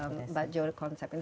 mbak jo konsep ini